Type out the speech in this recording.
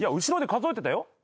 後ろで数えてたよ。